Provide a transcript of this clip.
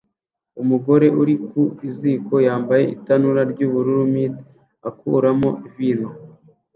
Umugore uri ku ziko yambaye itanura ry'ubururu mitt akuramo vino